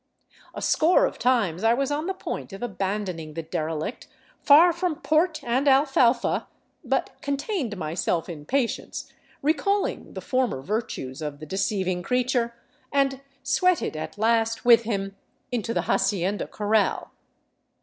A score of times I was on the point of abandoning the derelict far from port and alfalfa, but contained myself in patience, recalling the former virtues of the deceiving creature, and sweated at last with him into the hacienda corral.